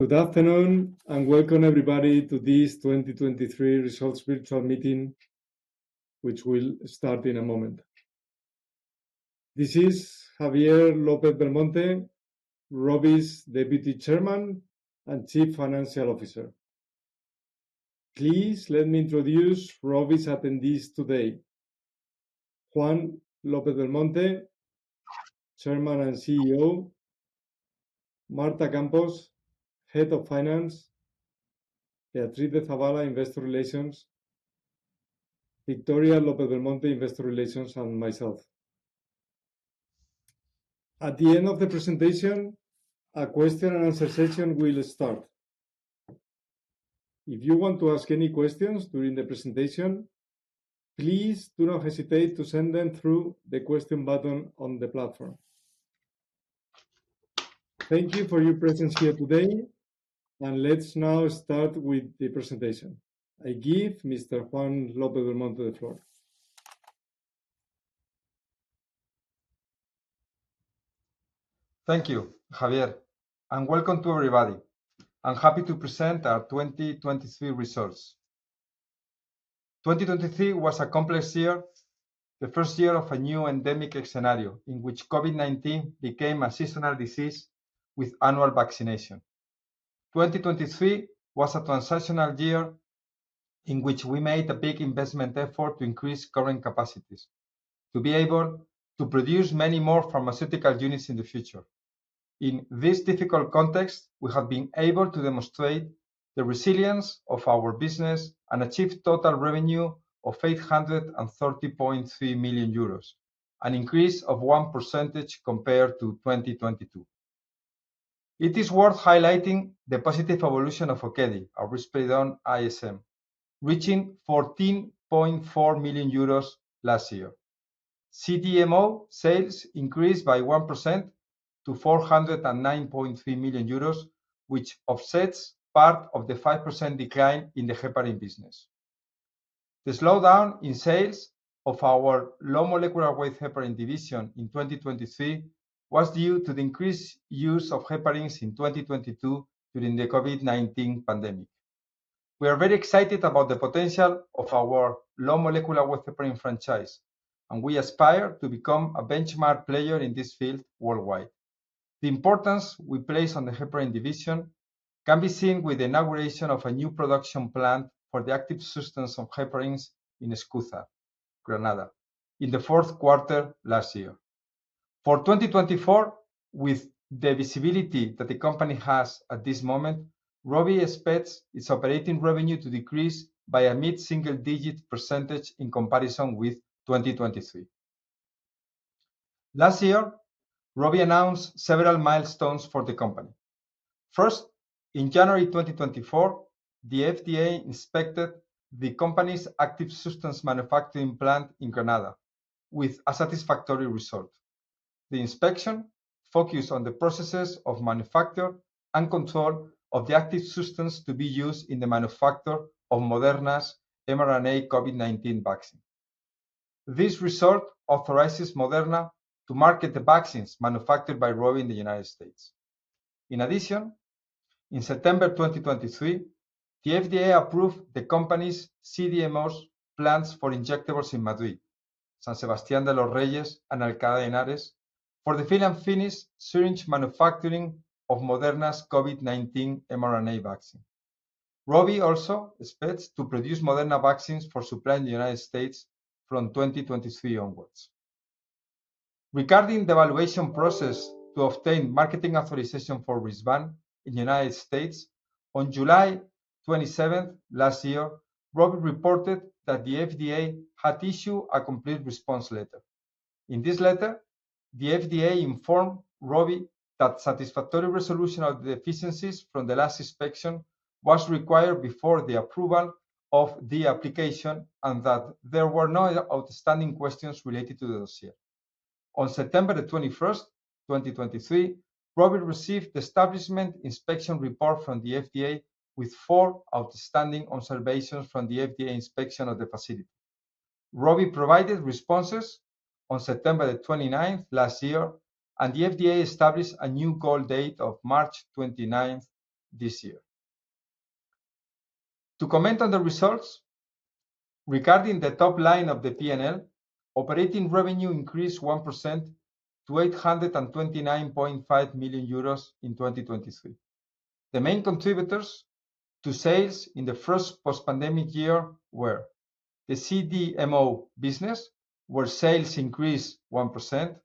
Good afternoon, and welcome everybody to this 2023 results virtual meeting, which will start in a moment. This is Javier López-Belmonte, Rovi's Deputy Chairman and Chief Financial Officer. Please let me introduce Rovi's attendees today. Juan López-Belmonte, Chairman and CEO, Marta Campos, Head of Finance, Beatriz de Zabala, Investor Relations, Victoria López-Belmonte, Investor Relations, and myself. At the end of the presentation, a question and answer session will start. If you want to ask any questions during the presentation, please do not hesitate to send them through the question button on the platform. Thank you for your presence here today, and let's now start with the presentation. I give Mr. Juan López-Belmonte the floor. Thank you, Javier, and welcome to everybody. I'm happy to present our 2023 results. 2023 was a complex year, the first year of a new endemic scenario, in which COVID-19 became a seasonal disease with annual vaccination. 2023 was a transitional year, in which we made a big investment effort to increase current capacities, to be able to produce many more pharmaceutical units in the future. In this difficult context, we have been able to demonstrate the resilience of our business and achieve total revenue of 830.3 million euros, an increase of 1% compared to 2022. It is worth highlighting the positive evolution of Okedi, our risperidone ISM, reaching 14.4 million euros last year. CDMO sales increased by 1% to 409.3 million euros, which offsets part of the 5% decline in the heparin business. The slowdown in sales of our low molecular weight heparin division in 2023 was due to the increased use of heparins in 2022 during the COVID-19 pandemic. We are very excited about the potential of our low molecular weight heparin franchise, and we aspire to become a benchmark player in this field worldwide. The importance we place on the heparin division can be seen with the inauguration of a new production plant for the active substance of heparins in Escúzar, Granada, in the fourth quarter last year. For 2024, with the visibility that the company has at this moment, Rovi expects its operating revenue to decrease by a mid-single digit percentage in comparison with 2023. Last year, Rovi announced several milestones for the company. First, in January 2024, the FDA inspected the company's active substance manufacturing plant in Granada with a satisfactory result. The inspection focused on the processes of manufacture and control of the active substance to be used in the manufacture of Moderna's mRNA COVID-19 vaccine. This result authorizes Moderna to market the vaccines manufactured by Rovi in the United States. In addition, in September 2023, the FDA approved the company's CDMO's plans for injectables in Madrid, San Sebastián de los Reyes, and Alcalá de Henares, for the fill and finish syringe manufacturing of Moderna's COVID-19 mRNA vaccine. Rovi also expects to produce Moderna vaccines for supply in the United States from 2023 onwards. Regarding the evaluation process to obtain marketing authorization for Risvan in the United States, on July 27th last year, ROVI reported that the FDA had issued a complete response letter. In this letter, the FDA informed ROVI that satisfactory resolution of the deficiencies from the last inspection was required before the approval of the application and that there were no outstanding questions related to the dossier. On September 21st, 2023, ROVI received the establishment inspection report from the FDA, with four outstanding observations from the FDA inspection of the facility. Rovi provided responses on September 29th last year, and the FDA established a new goal date of March 29th this year. To comment on the results, regarding the top line of the P&L, operating revenue increased 1% to 829.5 million euros in 2023. The main contributors to sales in the first post-pandemic year were the CDMO business, where sales increased 1%,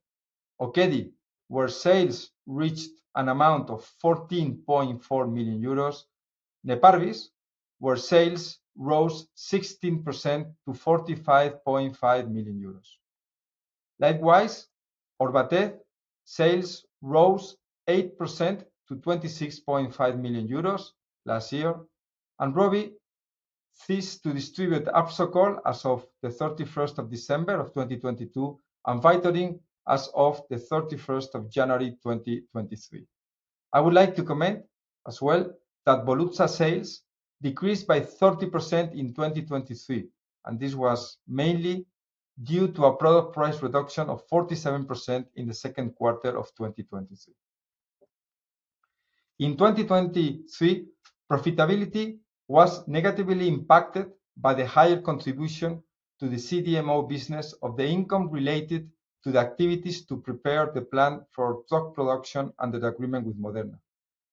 Okedi, where sales reached an amount of 14.4 million euros, Neparvis, where sales rose 16% to 45.5 million euros. Likewise, Orvatez sales rose 8% to 26.5 million euros last year, and Rovi ceased to distribute Absorcol as of the December 31st, 2022, and Vytorin as of the January 31st, 2023. I would like to comment as well that Volutsa sales decreased by 30% in 2023, and this was mainly due to a product price reduction of 47% in the second quarter of 2023. In 2023, profitability was negatively impacted by the higher contribution to the CDMO business of the income related to the activities to prepare the plan for drug production under the agreement with Moderna,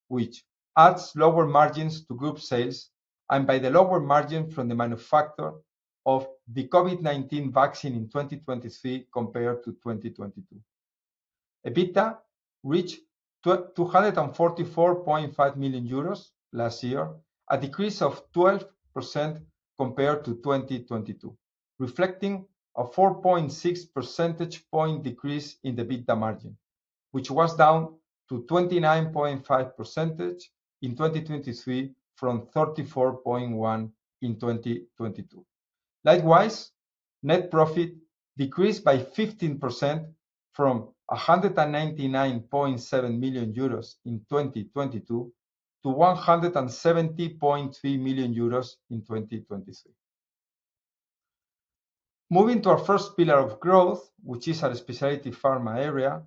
which adds lower margins to group sales and by the lower margin from the manufacture of the COVID-19 vaccine in 2023 compared to 2022. EBITDA reached 244.5 million euros last year, a decrease of 12% compared to 2022, reflecting a 4.6 percentage point decrease in the EBITDA margin, which was down to 29.5% in 2023 from 34.1% in 2022. Likewise, net profit decreased by 15% from 199.7 million euros in 2022 to 170.3 million euros in 2023. Moving to our first pillar of growth, which is our specialty pharma area,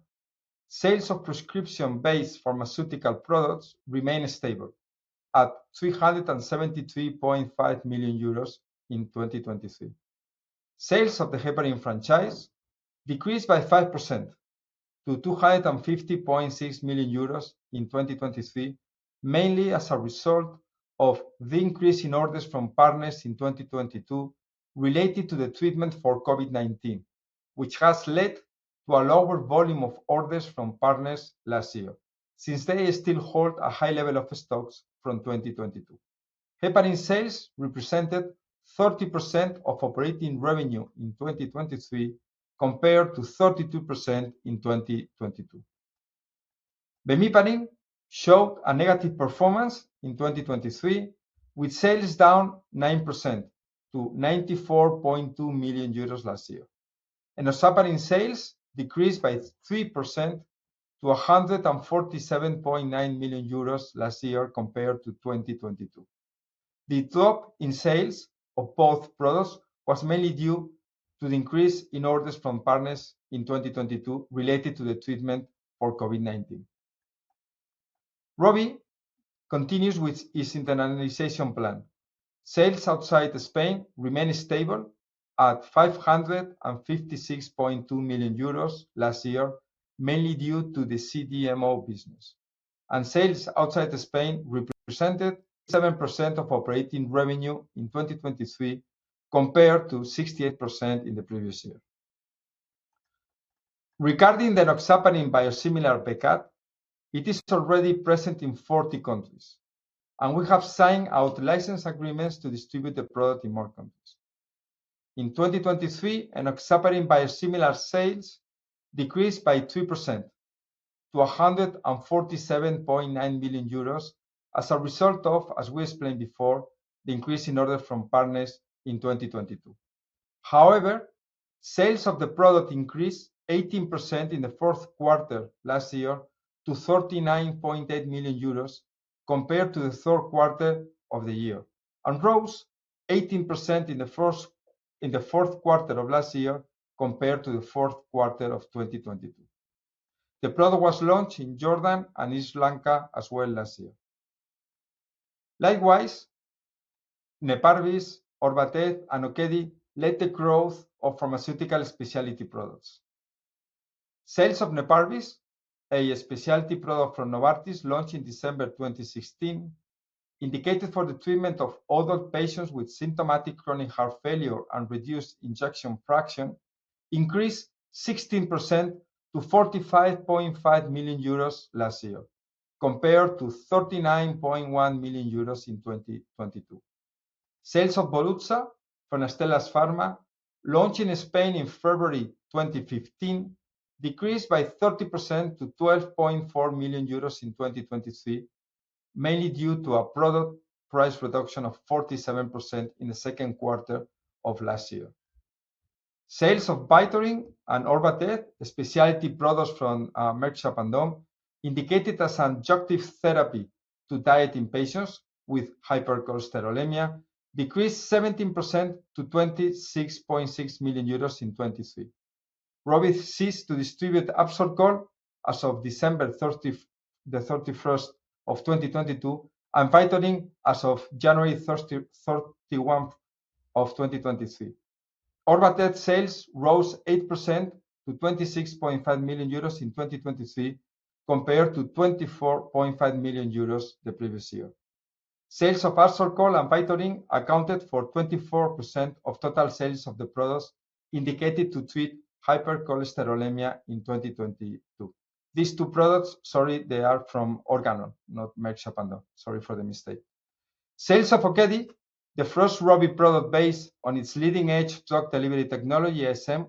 sales of prescription-based pharmaceutical products remained stable at 373.5 million euros in 2023. Sales of the heparin franchise decreased by 5% to 250.6 million euros in 2023, mainly as a result of the increase in orders from partners in 2022 related to the treatment for COVID-19, which has led to a lower volume of orders from partners last year, since they still hold a high level of stocks from 2022. Heparin sales represented 30% of operating revenue in 2023, compared to 32% in 2022. Bemiparin showed a negative performance in 2023, with sales down 9% to 94.2 million euros last year. Enoxaparin sales decreased by 3% to 147.9 million euros last year compared to 2022. The drop in sales of both products was mainly due to the increase in orders from partners in 2022 related to the treatment for COVID-19. Rovi continues with its internationalization plan. Sales outside Spain remained stable at 556.2 million euros last year, mainly due to the CDMO business, and sales outside Spain represented 7% of operating revenue in 2023, compared to 68% in the previous year. Regarding the Enoxaparin biosimilar Becat, it is already present in 40 countries, and we have signed out-licensing agreements to distribute the product in more countries. In 2023, Enoxaparin biosimilar sales decreased by 2% to 147.9 million euros as a result of, as we explained before, the increase in orders from partners in 2022. However, sales of the product increased 18% in the fourth quarter last year to 39.8 million euros compared to the third quarter of the year, and rose 18% in the fourth quarter of last year compared to the fourth quarter of 2022. The product was launched in Jordan and Sri Lanka as well last year. Likewise, Neparvis, Orvatez, and Okedi led the growth of pharmaceutical specialty products. Sales of Neparvis, a specialty product from Novartis, launched in December 2016, indicated for the treatment of adult patients with symptomatic chronic heart failure and reduced ejection fraction, increased 16% to 45.5 million euros last year, compared to 39.1 million euros in 2022. Sales of Volutsa from Astellas Pharma, launched in Spain in February 2015, decreased by 30% to 12.4 million euros in 2023, mainly due to a product price reduction of 47% in the second quarter of last year. Sales of Vytorin and Orvatez, specialty products from Merck Sharp & Dohme, indicated as adjunctive therapy to diet in patients with hypercholesterolemia, decreased 17% to 26.6 million euros in 2023. Rovi ceased to distribute Zetia as of December 31st, 2022, and Vytorin as of January 31, 2023. Orvatez sales rose 8% to 26.5 million euros in 2023, compared to 24.5 million euros the previous year. Sales of Zetia and Vytorin accounted for 24% of total sales of the products indicated to treat hypercholesterolemia in 2022. These two products, sorry, they are from Organon, not Merck Sharp & Dohme. Sorry for the mistake. Sales of Okedi, the first Rovi product based on its leading-edge drug delivery technology, ISM,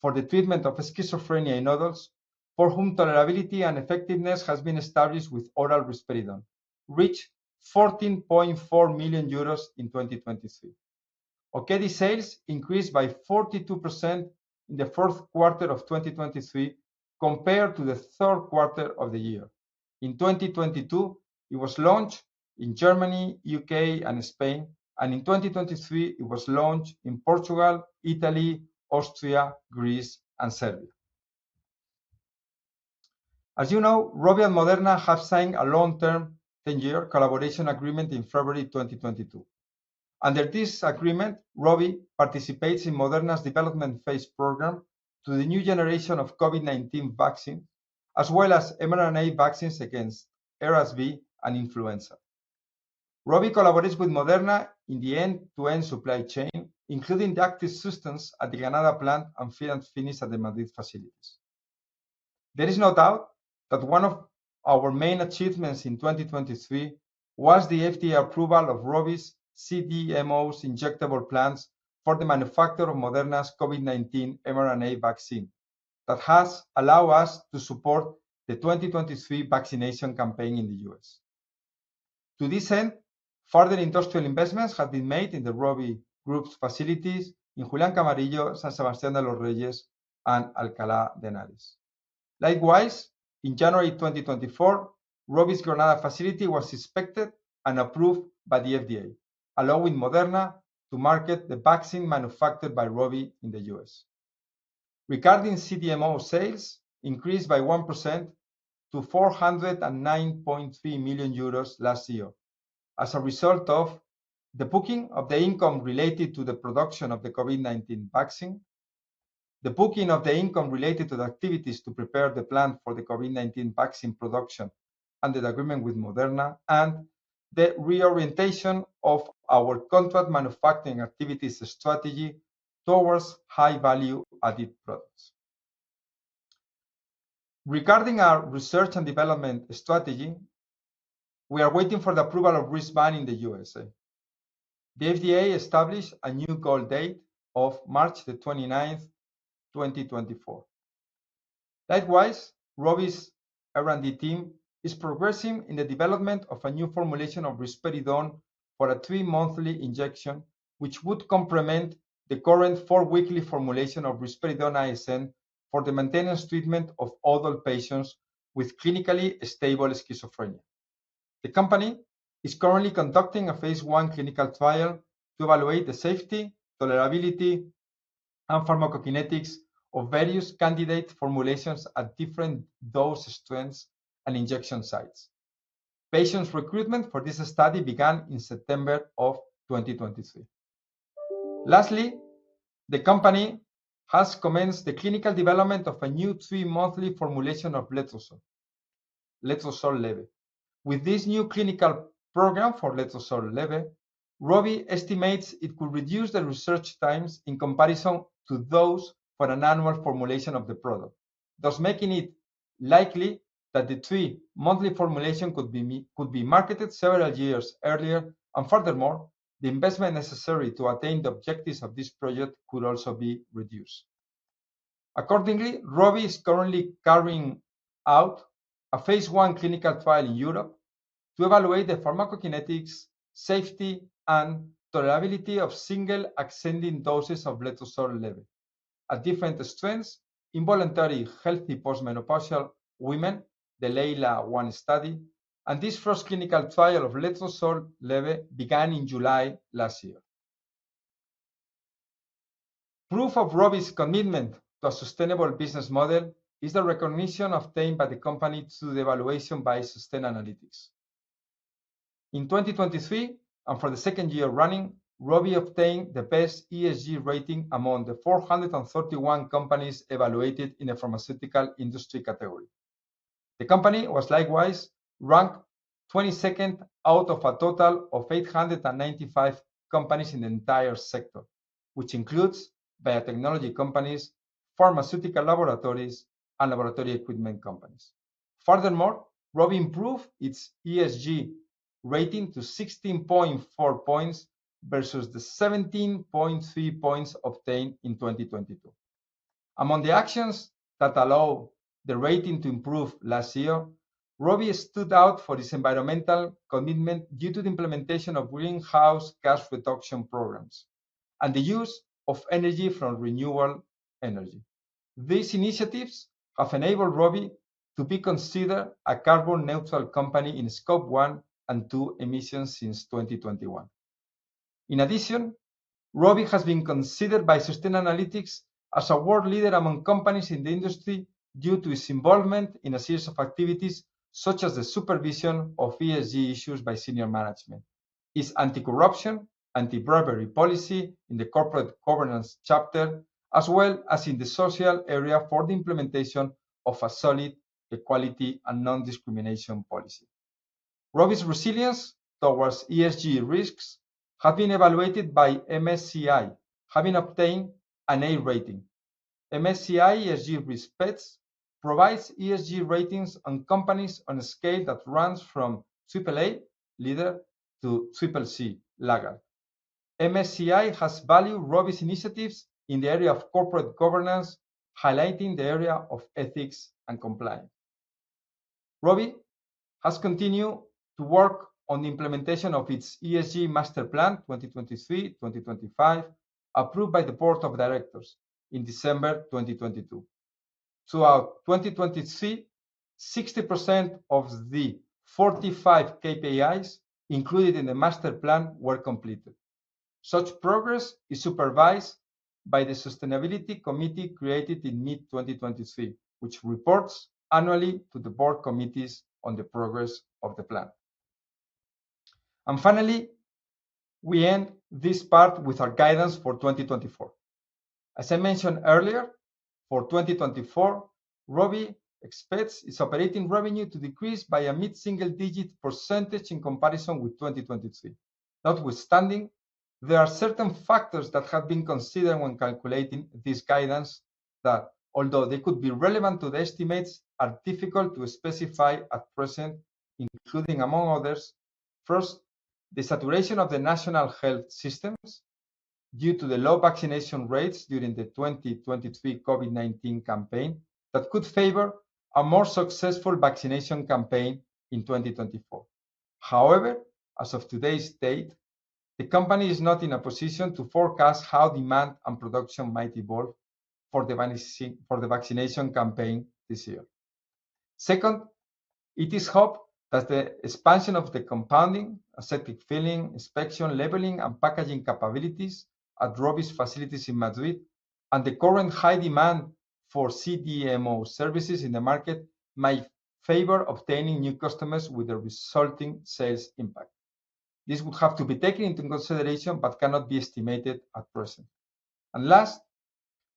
for the treatment of schizophrenia in adults, for whom tolerability and effectiveness has been established with oral risperidone, reached EUR 14.4 million in 2023. Okedi sales increased by 42% in the fourth quarter of 2023 compared to the third quarter of the year. In 2022, it was launched in Germany, U.K., and Spain, and in 2023, it was launched in Portugal, Italy, Austria, Greece, and Serbia. As you know, Rovi and Moderna have signed a long-term, 10-year collaboration agreement in February 2022. Under this agreement, Rovi participates in Moderna's development phase program to the new generation of COVID-19 vaccine, as well as mRNA vaccines against RSV and influenza. Rovi collaborates with Moderna in the end-to-end supply chain, including the active substance at the Granada plant and fill and finish at the Madrid facilities. There is no doubt that one of our main achievements in 2023 was the FDA approval of Rovi's CDMO's injectable plants for the manufacture of Moderna's COVID-19 mRNA vaccine. That has allowed us to support the 2023 vaccination campaign in the U.S. To this end, further industrial investments have been made in the Rovi Group's facilities in Julian Camarillo, San Sebastián de los Reyes, and Alcalá de Henares. Likewise, in January 2024, Rovi's Granada facility was inspected and approved by the FDA, allowing Moderna to market the vaccine manufactured by Rovi in the U.S. Regarding CDMO sales, increased by 1% to 409.3 million euros last year, as a result of the booking of the income related to the production of the COVID-19 vaccine, the booking of the income related to the activities to prepare the plant for the COVID-19 vaccine production under the agreement with Moderna, and the reorientation of our contract manufacturing activities strategy towards high value-added products. Regarding our research and development strategy, we are waiting for the approval of Risvan in the USA. The FDA established a new goal date of March 29th, 2024. Likewise, Rovi's R&D team is progressing in the development of a new formulation of risperidone for a three-monthly injection, which would complement the current four-weekly formulation of risperidone ISM for the maintenance treatment of adult patients with clinically stable schizophrenia. The company is currently conducting a phase I clinical trial to evaluate the safety, tolerability, and pharmacokinetics of various candidate formulations at different dose strengths and injection sites. Patient recruitment for this study began in September 2023. Lastly, the company has commenced the clinical development of a new three-monthly formulation of letrozole, Letrozole LEBE. With this new clinical program for Letrozole LEBE, Rovi estimates it could reduce the research times in comparison to those for an annual formulation of the product, thus making it likely that the three-monthly formulation could be marketed several years earlier, and furthermore, the investment necessary to attain the objectives of this project could also be reduced. Accordingly, Rovi is currently carrying out a phase I clinical trial in Europe to evaluate the pharmacokinetics, safety, and tolerability of single ascending doses of Letrozole LEBE at different strengths in voluntary, healthy, post-menopausal women, the LEILA-1 study, and this first clinical trial of Letrozole LEBE began in July last year. Proof of Rovi's commitment to a sustainable business model is the recognition obtained by the company through the evaluation by Sustainalytics. In 2023, and for the second year running, Rovi obtained the best ESG rating among the 431 companies evaluated in the pharmaceutical industry category. The company was likewise ranked 22nd out of a total of 895 companies in the entire sector, which includes biotechnology companies, pharmaceutical laboratories, and laboratory equipment companies. Furthermore, Rovi improved its ESG rating to 16.4 points versus the 17.3 points obtained in 2022. Among the actions that allowed the rating to improve last year, Rovi stood out for its environmental commitment due to the implementation of greenhouse gas reduction programs and the use of energy from renewable energy. These initiatives have enabled Rovi to be considered a carbon neutral company in Scope 1 and 2 emissions since 2021. In addition, Rovi has been considered by Sustainalytics as a world leader among companies in the industry due to its involvement in a series of activities, such as the supervision of ESG issues by senior management, its anti-corruption, anti-bribery policy in the corporate governance chapter, as well as in the social area for the implementation of a solid equality and non-discrimination policy. Rovi's resilience towards ESG risks have been evaluated by MSCI, having obtained an A rating. MSCI ESG research provides ESG ratings on companies on a scale that runs from AAA, leader, to CCC, laggard. MSCI has valued Rovi's initiatives in the area of corporate governance, highlighting the area of ethics and compliance. Rovi has continued to work on the implementation of its ESG Master Plan 2023-2025, approved by the board of directors in December 2022. Throughout 2023, 60% of the 45 KPIs included in the master plan were completed. Such progress is supervised by the Sustainability Committee, created in mid-2023, which reports annually to the board committees on the progress of the plan. Finally, we end this part with our guidance for 2024. As I mentioned earlier, for 2024, Rovi expects its operating revenue to decrease by a mid-single-digit percentage in comparison with 2023. Notwithstanding, there are certain factors that have been considered when calculating this guidance that, although they could be relevant to the estimates, are difficult to specify at present, including, among others: First, the saturation of the national health systems due to the low vaccination rates during the 2023 COVID-19 campaign that could favor a more successful vaccination campaign in 2024. However, as of today's date, the company is not in a position to forecast how demand and production might evolve for the vaccination campaign this year. Second, it is hoped that the expansion of the compounding, aseptic filling, inspection, labeling, and packaging capabilities at Rovi's facilities in Madrid and the current high demand for CDMO services in the market might favor obtaining new customers with a resulting sales impact. This would have to be taken into consideration, but cannot be estimated at present. And last,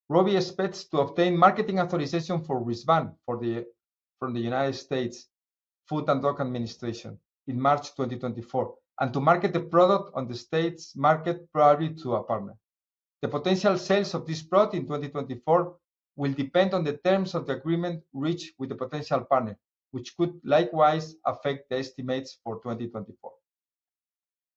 Rovi expects to obtain marketing authorization for Risvan from the United States Food and Drug Administration in March 2024, and to market the product on the U.S. market, probably through a partner. The potential sales of this product in 2024 will depend on the terms of the agreement reached with the potential partner, which could likewise affect the estimates for 2024.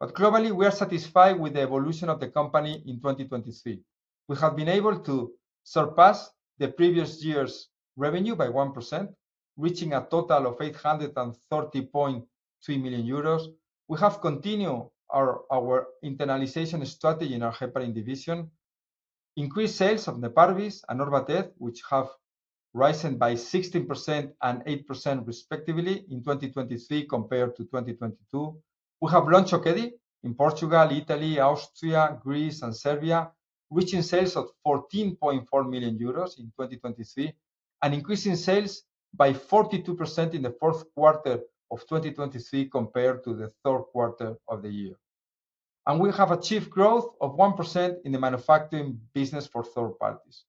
But globally, we are satisfied with the evolution of the company in 2023. We have been able to surpass the previous year's revenue by 1%, reaching a total of 830.3 million euros. We have continued our internationalization strategy in our heparin division, increased sales of Neparvis and Orvatez, which have risen by 16% and 8% respectively in 2023 compared to 2022. We have launched Okedi in Portugal, Italy, Austria, Greece, and Serbia, reaching sales of 14.4 million euros in 2023 and increasing sales by 42% in the fourth quarter of 2023 compared to the third quarter of the year. We have achieved growth of 1% in the manufacturing business for third parties,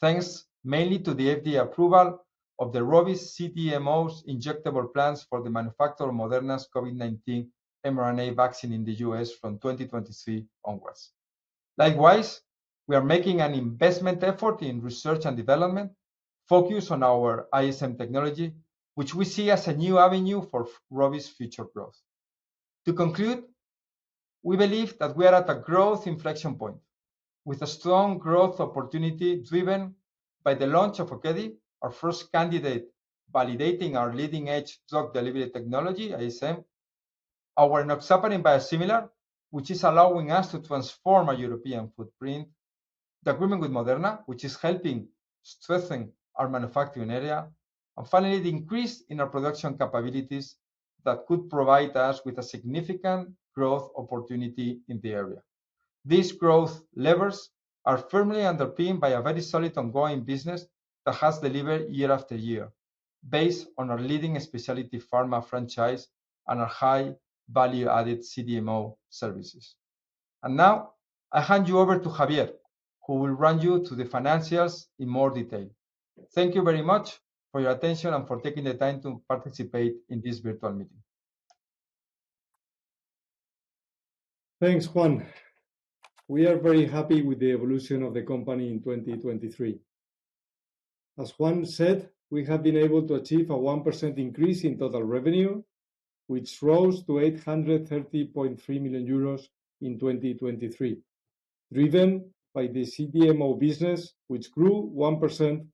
thanks mainly to the FDA approval of ROVI's CDMO's injectable plants for the manufacture of Moderna's COVID-19 mRNA vaccine in the U.S. from 2023 onwards. Likewise, we are making an investment effort in research and development, focused on our ISM technology, which we see as a new avenue for ROVI's future growth. To conclude, we believe that we are at a growth inflection point, with a strong growth opportunity driven by the launch of Okedi, our first candidate, validating our leading-edge drug delivery technology, ISM. Our Enoxaparin biosimilar, which is allowing us to transform our European footprint. The agreement with Moderna, which is helping strengthen our manufacturing area. And finally, the increase in our production capabilities that could provide us with a significant growth opportunity in the area. These growth levers are firmly underpinned by a very solid ongoing business that has delivered year after year, based on our leading specialty pharma franchise and our high-value added CDMO services. And now, I hand you over to Javier, who will run you through the financials in more detail. Thank you very much for your attention and for taking the time to participate in this virtual meeting. Thanks, Juan. We are very happy with the evolution of the company in 2023. As Juan said, we have been able to achieve a 1% increase in total revenue, which rose to 830.3 million euros in 2023, driven by the CDMO business, which grew 1%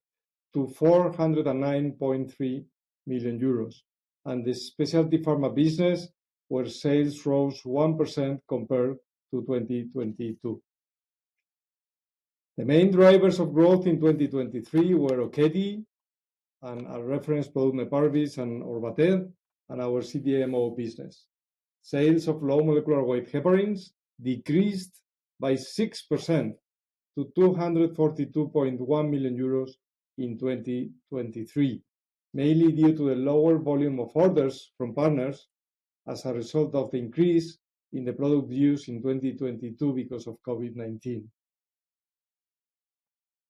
to 409.3 million euros, and the specialty pharma business, where sales rose 1% compared to 2022. The main drivers of growth in 2023 were Okedi and our reference product, Neparvis and Orvatez, and our CDMO business. Sales of low-molecular-weight heparins decreased by 6% to 242.1 million euros in 2023, mainly due to the lower volume of orders from partners as a result of the increase in the product use in 2022 because of COVID-19.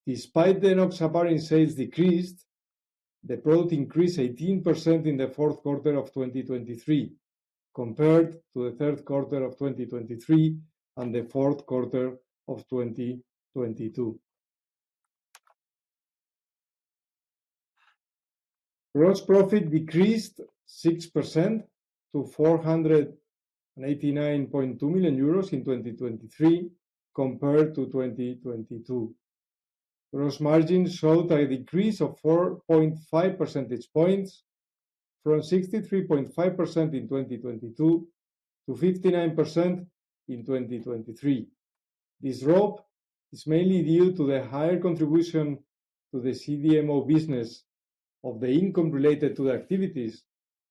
Despite the Enoxaparin sales decreased, the product increased 18% in the fourth quarter of 2023, compared to the third quarter of 2023 and the fourth quarter of 2022. Gross profit decreased 6% to 489.2 million euros in 2023, compared to 2022. Gross margin showed a decrease of 4.5 percentage points from 63.5% in 2022 to 59% in 2023. This drop is mainly due to the higher contribution to the CDMO business of the income related to the activities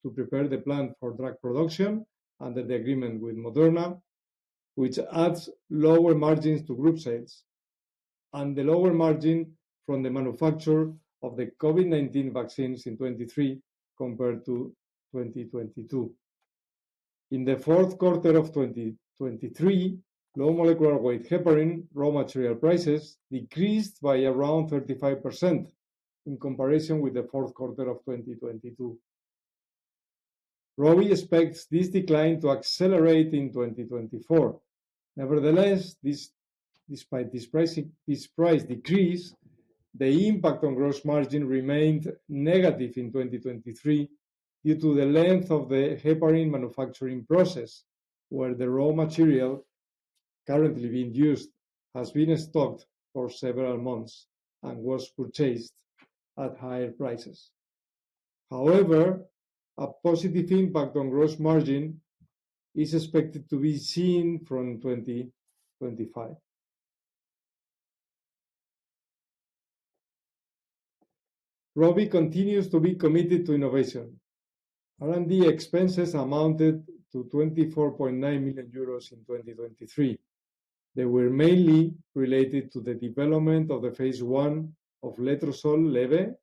to prepare the plant for drug production under the agreement with Moderna, which adds lower margins to group sales, and the lower margin from the manufacture of the COVID-19 vaccines in 2023 compared to 2022. In the fourth quarter of 2023, low molecular weight heparin raw material prices decreased by around 35% in comparison with the fourth quarter of 2022. ROVI expects this decline to accelerate in 2024. Nevertheless, despite this price decrease, the impact on gross margin remained negative in 2023 due to the length of the heparin manufacturing process, where the raw material currently being used has been stocked for several months and was purchased at higher prices. However, a positive impact on gross margin is expected to be seen from 2025. Rovi continues to be committed to innovation. R&D expenses amounted to 24.9 million euros in 2023. They were mainly related to the development of the phase I of Letrozole LEBE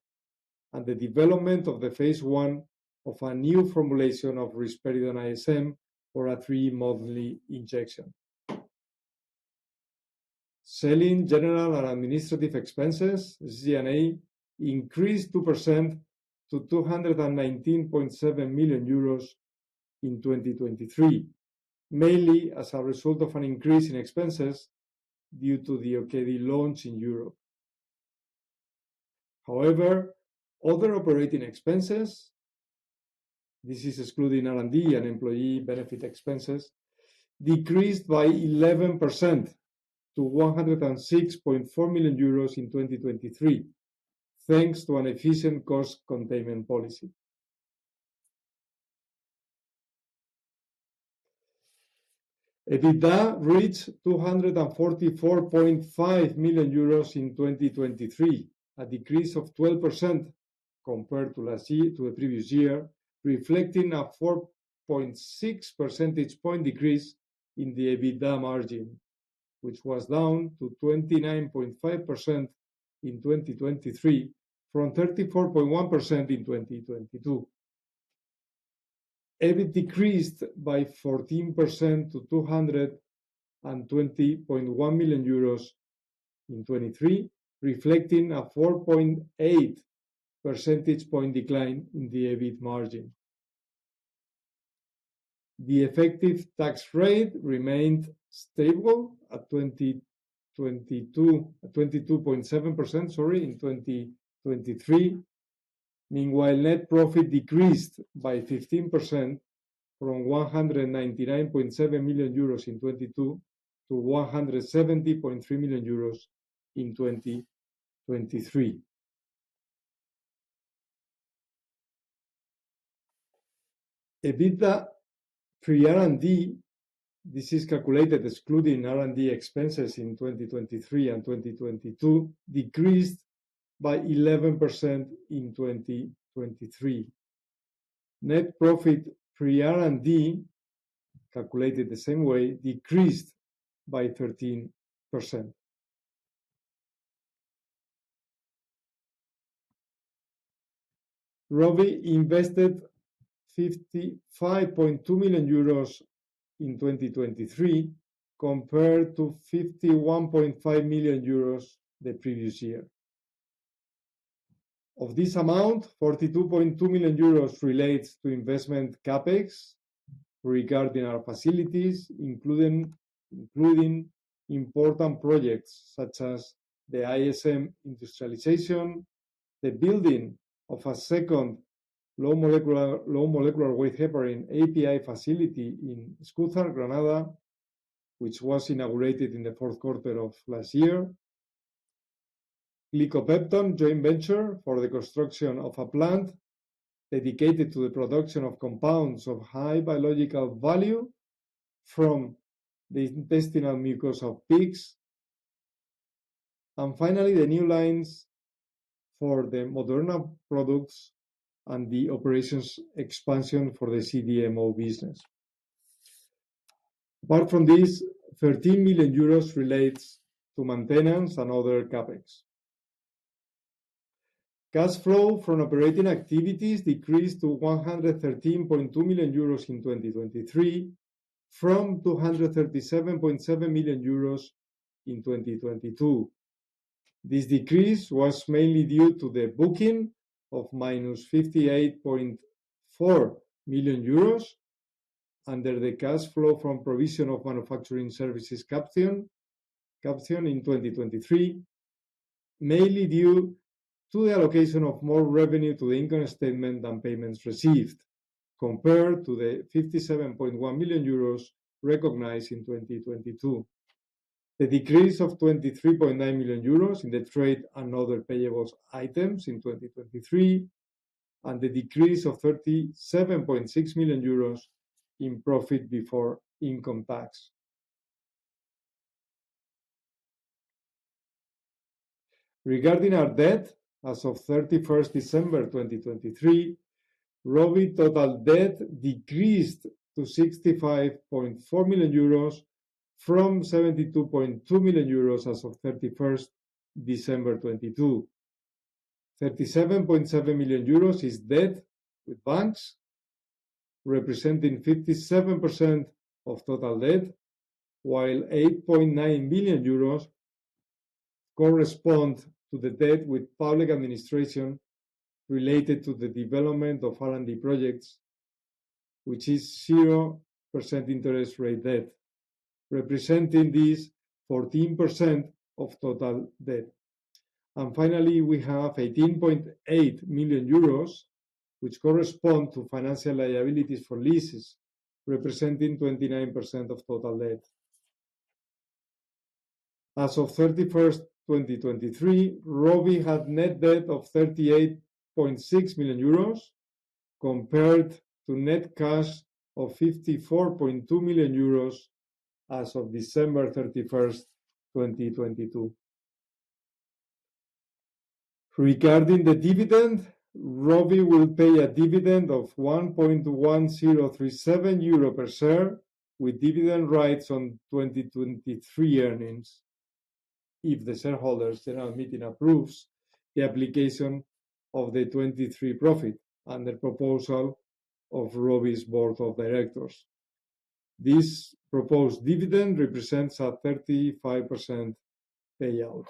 and the development of the phase I of a new formulation of Risperidone ISM for a three-monthly injection. Selling, general, and administrative expenses, G&A, increased 2% to 219.7 million euros in 2023, mainly as a result of an increase in expenses due to the Okedi launch in Europe. However, other operating expenses, this is excluding R&D and employee benefit expenses, decreased by 11% to 106.4 million euros in 2023, thanks to an efficient cost containment policy. EBITDA reached 244.5 million euros in 2023, a decrease of 12% compared to last year to the previous year, reflecting a 4.6 percentage point decrease in the EBITDA margin, which was down to 29.5% in 2023 from 34.1% in 2022. EBIT decreased by 14% to 220.1 million euros in 2023, reflecting a 4.8 percentage point decline in the EBIT margin. The effective tax rate remained stable at 2022 at 22.7%, sorry, in 2023. Meanwhile, net profit decreased by 15% from 199.7 million euros in 2022 to 170.3 million euros in 2023. EBITDA pre-R&D, this is calculated excluding R&D expenses in 2023 and 2022, decreased by 11% in 2023. Net profit pre-R&D, calculated the same way, decreased by 13%. Rovi invested 55.2 million euros in 2023, compared to 51.5 million euros the previous year. Of this amount, 42.2 million euros relates to investment CapEx regarding our facilities, including important projects such as the ISM industrialization, the building of a second low molecular weight heparin API facility in Escúzar, Granada, which was inaugurated in the fourth quarter of last year, the Glicopepton joint venture for the construction of a plant dedicated to the production of compounds of high biological value from the intestinal mucus of pigs, and finally, the new lines for the Moderna products and the operations expansion for the CDMO business. Apart from this, 13 million euros relates to maintenance and other CapEx. Cash flow from operating activities decreased to 113.2 million euros in 2023 from 237.7 million euros in 2022. This decrease was mainly due to the booking of -58.4 million euros under the cash flow from provision of manufacturing services caption, caption in 2023, mainly due to the allocation of more revenue to the income statement than payments received, compared to the 57.1 million euros recognized in 2022, the decrease of 23.9 million euros in the trade and other payables items in 2023, and the decrease of 37.6 million euros in profit before income tax. Regarding our debt, as of December 31st, 2023, Rovi total debt decreased to 65.4 million euros from 72.2 million euros as of December 31st, 2022. 37.7 million euros is debt with banks, representing 57% of total debt, while 8.9 million euros correspond to the debt with public administration related to the development of R&D projects, which is 0% interest rate debt, representing this 14% of total debt. Finally, we have 18.8 million euros, which correspond to financial liabilities for leases, representing 29% of total debt. As of December 31st, 2023, Rovi had net debt of 38.6 million euros, compared to net cash of 54.2 million euros as of December 31st, 2022. Regarding the dividend, Rovi will pay a dividend of 1.1037 euro per share, with dividend rights on 2023 earnings if the shareholders' general meeting approves the application of the 2023 profit and the proposal of Rovi's Board of Directors. This proposed dividend represents a 35% payout.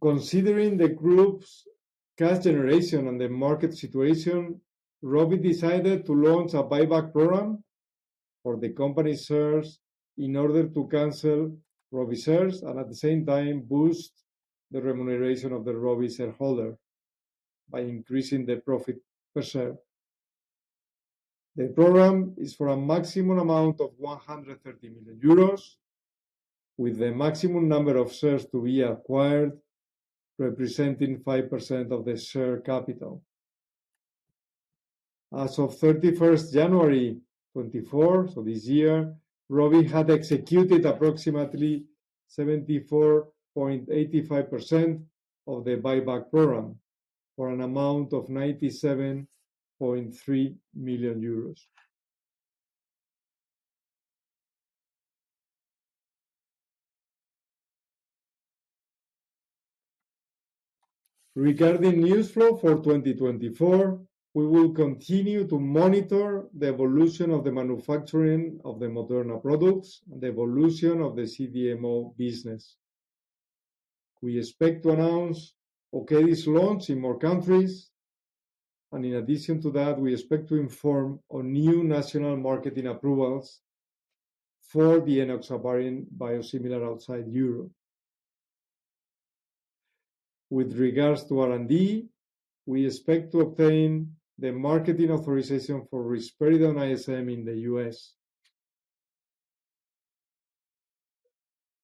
Considering the group's cash generation and the market situation, Rovi decided to launch a buyback program for the company shares in order to cancel Rovi shares and at the same time boost the remuneration of the Rovi shareholder by increasing the profit per share. The program is for a maximum amount of 130 million euros, with the maximum number of shares to be acquired representing 5% of the share capital. As of January 31st, 2024, so this year, Rovi had executed approximately 74.85% of the buyback program for an amount of 97.3 million euros. Regarding news flow for 2024, we will continue to monitor the evolution of the manufacturing of the Moderna products and the evolution of the CDMO business. We expect to announce Okedi's launch in more countries, and in addition to that, we expect to inform on new national marketing approvals for the enoxaparin biosimilar outside Europe. With regards to R&D, we expect to obtain the marketing authorization for risperidone ISM in the U.S.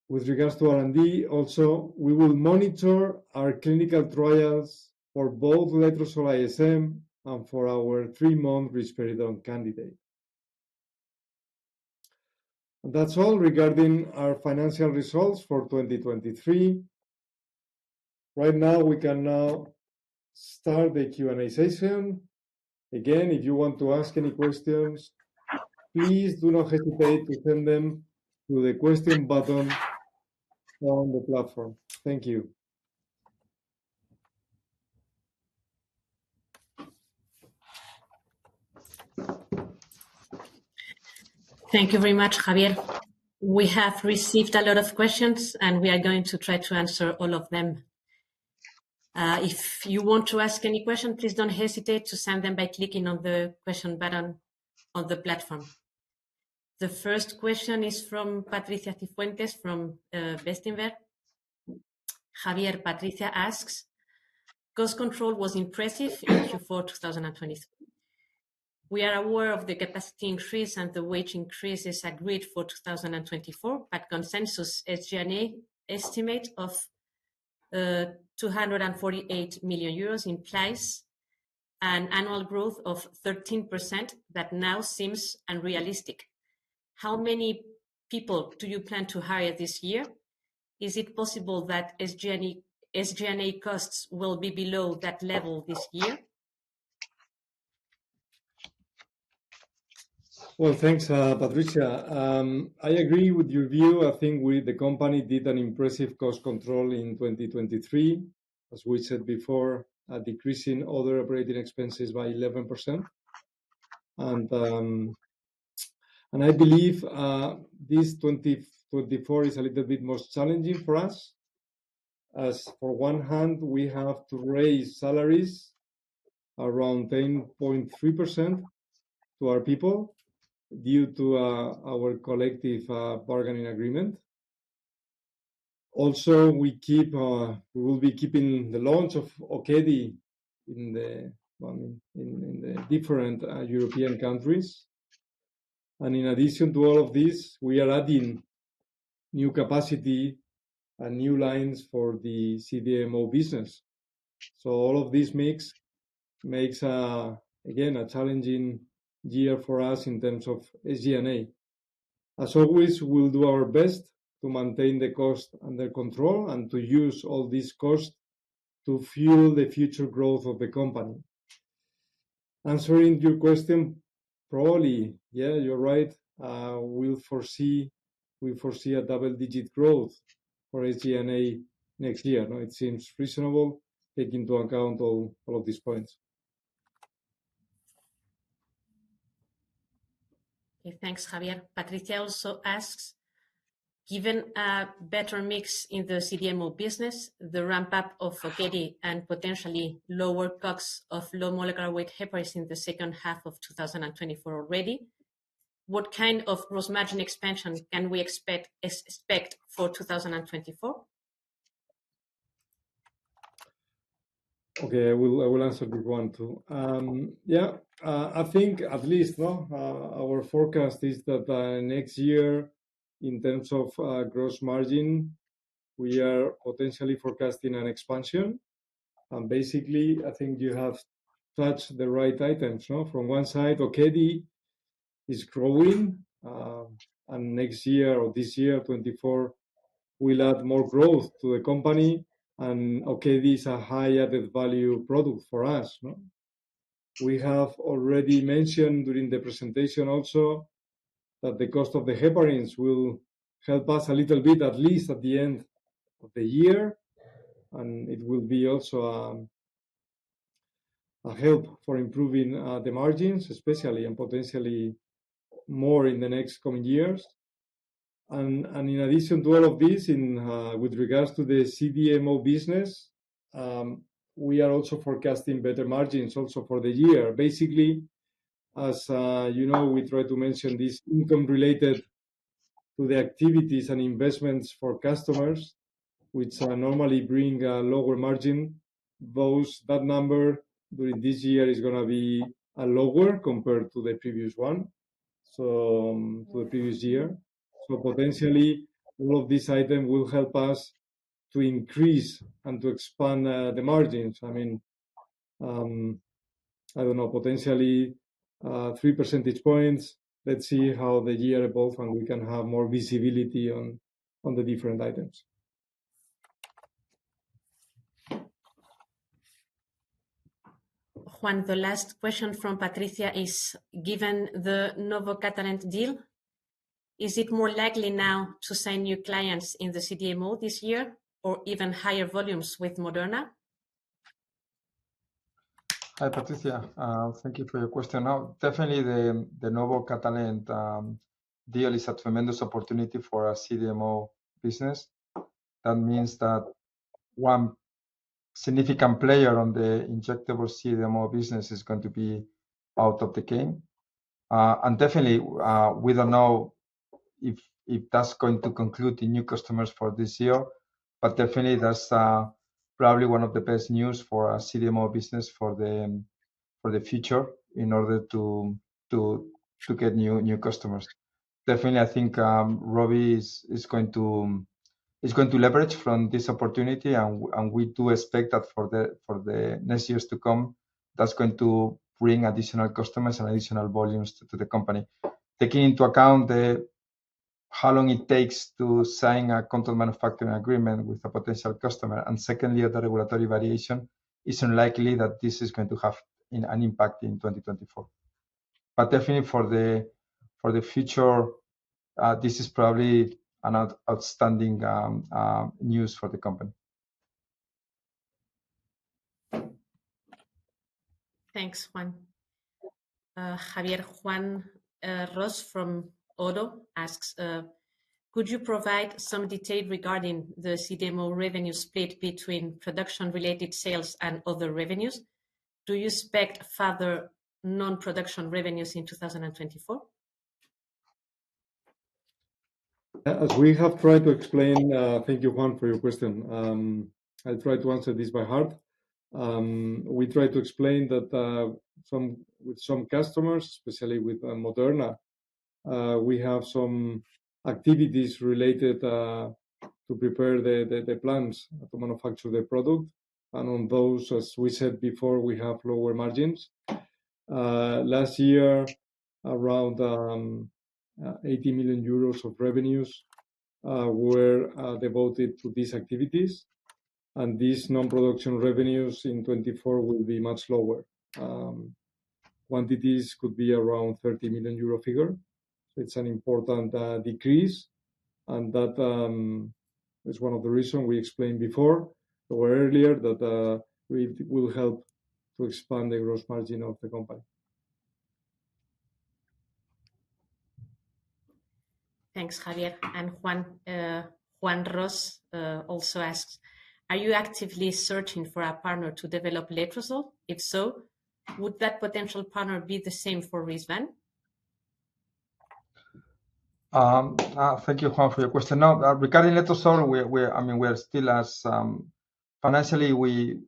With regards to R&D, also, we will monitor our clinical trials for both Letrozole ISM and for our three-month risperidone candidate. That's all regarding our financial results for 2023. Right now, we can now start the Q&A session. Again, if you want to ask any questions, please do not hesitate to send them to the question button on the platform. Thank you. Thank you very much, Javier. We have received a lot of questions, and we are going to try to answer all of them. If you want to ask any question, please don't hesitate to send them by clicking on the question button on the platform. The first question is from Patricia Cifuentes from Bestinver. Javier, Patricia asks: "Cost control was impressive in Q4 2023. We are aware of the capacity increase and the wage increases agreed for 2024, but consensus SG&A estimate of 248 million euros implies an annual growth of 13%, that now seems unrealistic. How many people do you plan to hire this year? Is it possible that SG&A costs will be below that level this year? Well, thanks, Patricia. I agree with your view. I think we, the company, did an impressive cost control in 2023, as we said before, a decrease in other operating expenses by 11%. And I believe this 2024 is a little bit more challenging for us, as for one hand, we have to raise salaries around 10.3% to our people due to our collective bargaining agreement. Also, we will be keeping the launch of Okedi in the different European countries. And in addition to all of this, we are adding new capacity and new lines for the CDMO business. So all of this makes again a challenging year for us in terms of SG&A. As always, we'll do our best to maintain the cost under control and to use all this cost to fuel the future growth of the company. Answering your question, probably, yeah, you're right. We'll foresee a double-digit growth for SG&A next year, no? It seems reasonable, take into account all of these points. Okay, thanks, Javier. Patricia also asks, given a better mix in the CDMO business, the ramp-up of Okedi and potentially lower costs of low molecular weight heparins in the second half of 2024 already, what kind of gross margin expansion can we expect for 2024? Okay, I will, I will answer a good one, too. Yeah, I think at least, no, our forecast is that, next year, in terms of, gross margin, we are potentially forecasting an expansion. And basically, I think you have touched the right items, no? From one side, Okedi is growing, and next year or this year, 2024, will add more growth to the company, and Okedi is a high added value product for us, no? We have already mentioned during the presentation also that the cost of the heparins will help us a little bit, at least at the end of the year, and it will be also, a help for improving, the margins, especially and potentially more in the next coming years. And in addition to all of this, with regards to the CDMO business, we are also forecasting better margins also for the year. Basically, as you know, we try to mention this income related to the activities and investments for customers, which normally bring a lower margin. That number, during this year, is gonna be lower compared to the previous one, so to the previous year. So potentially, all of these item will help us to increase and to expand the margins. I mean, I don't know, potentially 3 percentage points. Let's see how the year evolve, and we can have more visibility on the different items. Juan, the last question from Patricia is, given the Novo Catalent deal, is it more likely now to sign new clients in the CDMO this year or even higher volumes with Moderna? Hi, Patricia, thank you for your question. Now, definitely the Novo Nordisk-Catalent deal is a tremendous opportunity for our CDMO business. That means that one significant player on the injectable CDMO business is going to be out of the game. And definitely, we don't know if that's going to conclude the new customers for this year, but definitely that's probably one of the best news for our CDMO business for the future in order to get new customers. Definitely, I think, Rovi is going to leverage from this opportunity, and we do expect that for the next years to come, that's going to bring additional customers and additional volumes to the company. Taking into account the, how long it takes to sign a contract manufacturing agreement with a potential customer, and secondly, the regulatory variation. It's unlikely that this is going to have an impact in 2024. But definitely for the future, this is probably an outstanding news for the company. Thanks, Juan. Javier, Juan Ros from Oddo BHF asks, could you provide some detail regarding the CDMO revenue split between production-related sales and other revenues? Do you expect further non-production revenues in 2024? As we have tried to explain, thank you, Juan, for your question. I'll try to answer this by heart. We tried to explain that, with some customers, especially with Moderna, we have some activities related to prepare the plans to manufacture their product, and on those, as we said before, we have lower margins. Last year, around 80 million euros of revenues were devoted to these activities, and these non-production revenues in 2024 will be much lower. Quantities could be around 30 million euro figure. It's an important decrease, and that is one of the reason we explained before or earlier, that we will help to expand the gross margin of the company. Thanks, Javier. Juan, Juan Ros, also asks, are you actively searching for a partner to develop letrozole? If so, would that potential partner be the same for Risvan? Thank you, Juan, for your question. Now, regarding Letrozole, we are, I mean, we are still as financially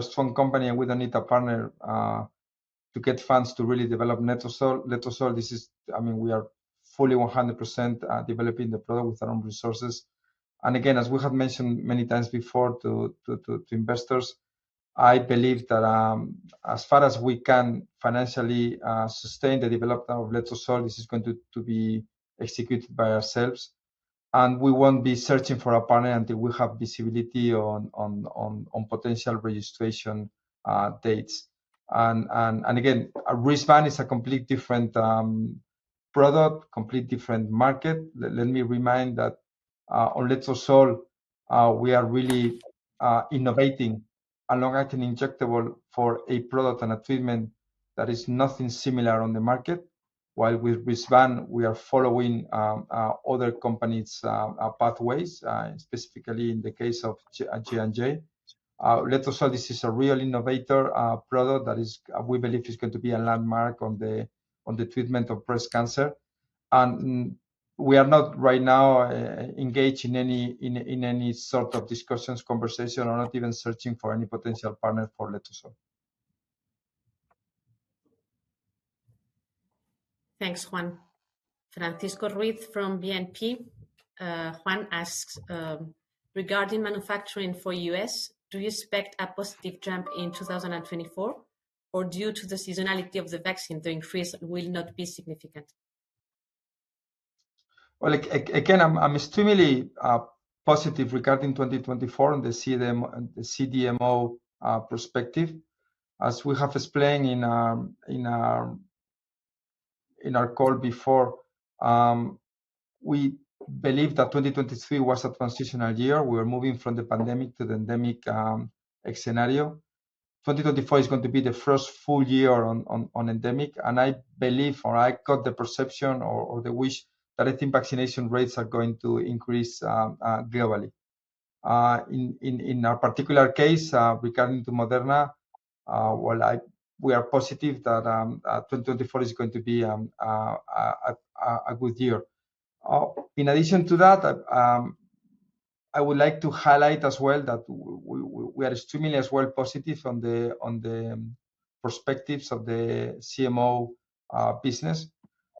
strong a company, and we don't need a partner to get funds to really develop Letrozole. Letrozole, this is, I mean, we are fully 100% developing the product with our own resources. And again, as we have mentioned many times before to investors, I believe that, as far as we can financially sustain the development of Letrozole, this is going to be executed by ourselves, and we won't be searching for a partner until we have visibility on potential registration dates. And again, Risvan is a completely different product, completely different market. Let me remind that, on Letrozole, we are really innovating along with an injectable for a product and a treatment that is nothing similar on the market. While with Risvan, we are following other companies' pathways, specifically in the case of J&J. Letrozole, this is a real innovator product that is, we believe is going to be a landmark on the treatment of breast cancer. And we are not right now engaged in any sort of discussions, conversation, or not even searching for any potential partner for Letrozole. Thanks, Juan. Francisco Ruiz from BNP. Juan asks, regarding manufacturing for U.S., do you expect a positive jump in 2024, or due to the seasonality of the vaccine, the increase will not be significant? Well, again, I'm extremely positive regarding 2024 and the CDMO perspective. As we have explained in our call before, we believe that 2023 was a transitional year. We were moving from the pandemic to the endemic scenario. 2024 is going to be the first full year on endemic, and I believe, or I got the perception or the wish, that I think vaccination rates are going to increase globally. In our particular case, regarding to Moderna, well, we are positive that 2024 is going to be a good year. In addition to that, I would like to highlight as well that we are extremely as well positive on the perspectives of the CMO business,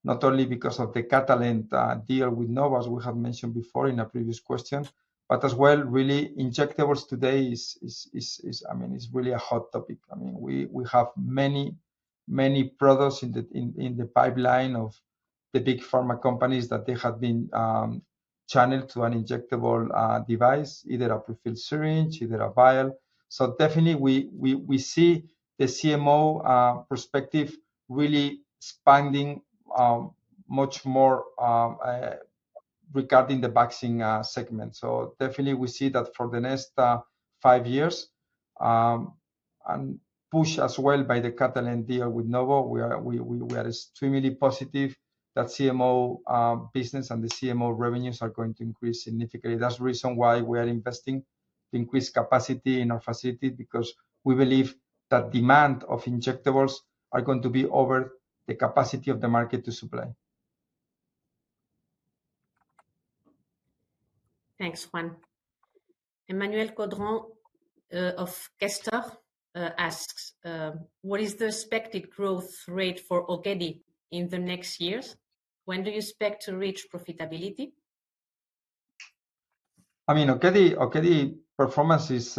not only because of the Catalent deal with Novo, as we have mentioned before in a previous question, but as well, really, injectables today is, I mean, is really a hot topic. I mean, we have many, many products in the pipeline of the big pharma companies that they have been channeled to an injectable device, either a prefilled syringe, either a vial. So definitely, we see the CMO perspective really expanding much more regarding the vaccine segment. So definitely we see that for the next five years, and pushed as well by the Catalent deal with Novo, we are extremely positive that CMO business and the CMO revenues are going to increase significantly. That's the reason why we are investing to increase capacity in our facility, because we believe that demand of injectables are going to be over the capacity of the market to supply. Thanks, Juan. Emmanuel Codron of Kepler Cheuvreux asks, what is the expected growth rate for Okedi in the next years? When do you expect to reach profitability? I mean, okay, okay performance is